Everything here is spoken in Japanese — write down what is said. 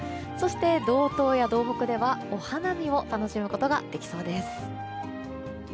道東や道北ではお花見を楽しむことができそうです。